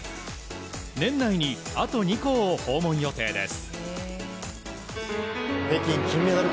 年内にあと２校を訪問予定です。